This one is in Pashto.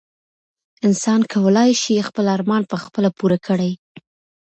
انسان کولای شي خپل ارمان په خپله پوره کړي.